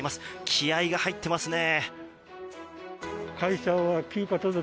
気合が入っていますね。